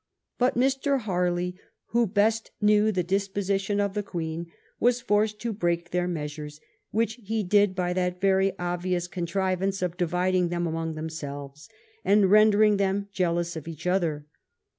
But Mr. Harley, who best knew the disposition of the Queen, was forced to break their measures; which he did by that very obvious contrivance of dividing them among themselves, and rendering them jealous of each other.